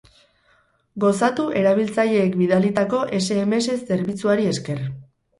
Gozatu erabiltzaileek bidalitako sms zerbitzuari esker.